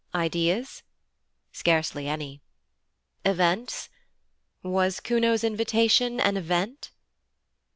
Ideas? Scarcely any. Events was Kuno's invitation an event?